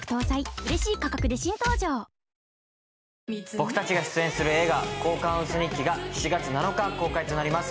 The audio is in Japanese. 僕たちが出演する映画「交換ウソ日記」が７月７日公開となります。